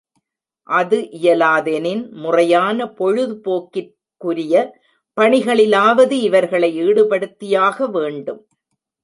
அது இயலாதெனின் முறையான பொழுதுபோக்கிற் குரிய பணிகளிலாவது இவர்களை ஈடுபடுத்தியாக வேண்டும்.